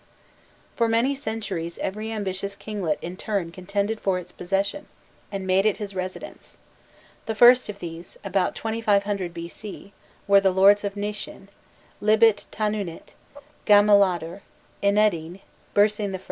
For many centuries every ambitious kinglet in turn contended for its possession and made it his residence. The first of these, about 2500 B.C., were the lords of Nishin, Libitanunit, Gamiladar, Inedin, Bursin I.